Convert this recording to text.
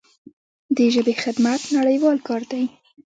د ژبې خدمت نړیوال کار دی.